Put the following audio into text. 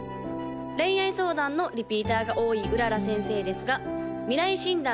恋愛相談のリピーターが多い麗先生ですが未来診断